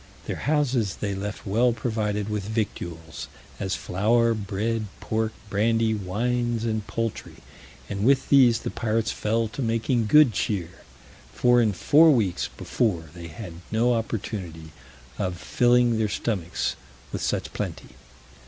Their houses they left well provided with victuals, as flour, bread, pork, brandy, wines, and poultry, and with these the pirates fell to making good cheer, for in four weeks before they had no opportunity of filling their stomachs with such plenty.